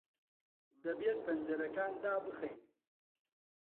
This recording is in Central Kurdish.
دەبێت پەنجەرەکان دابخەین.